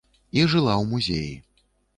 І жыла ў музеі.